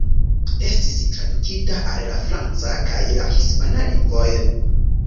Estis tradukita al la franca kaj la hispana lingvoj.